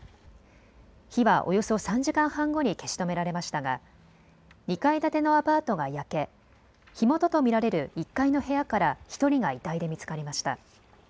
火はおよそ３時間半後に消し止められましたが２階建てのアパートが焼け、火元と見られるられる１階の部屋から１人が遺体で見つかりました。